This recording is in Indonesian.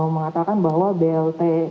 mengatakan bahwa blt